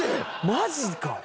マジか。